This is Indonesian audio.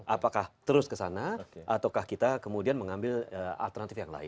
apakah terus ke sana ataukah kita kemudian mengambil alternatif yang lain